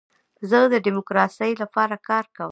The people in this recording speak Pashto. زه د ډیموکراسۍ لپاره کار کوم.